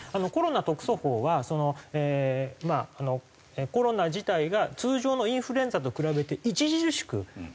コロナ特措法はコロナ自体が通常のインフルエンザと比べて著しく。